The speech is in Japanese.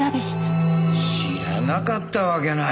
知らなかったわけないだろう？